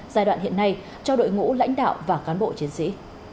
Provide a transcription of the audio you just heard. giai đoạn hiện nay cho đội ngũ lãnh đạo và cán bộ chiến sĩ